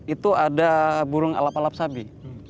itu ada burung alap alap sabi